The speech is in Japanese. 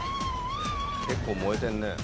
結構燃えてるね。